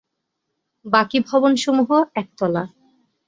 বাকি ভবন সমূহ একতলা।